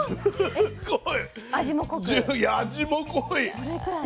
すごい！